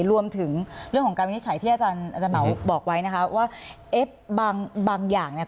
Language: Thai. รวมถึงเรื่องของการวินิจฉัยที่อาจารย์เหมาบอกไว้นะคะว่าเอ๊ะบางบางอย่างเนี่ย